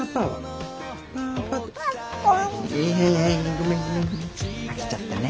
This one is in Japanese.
ごめんごめん飽きちゃったね。